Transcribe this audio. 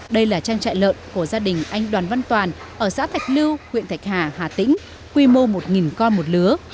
đây là trang trại lợn của gia đình anh đoàn văn toàn ở xã thạch lưu huyện thạch hà hà tĩnh quy mô một con một lứa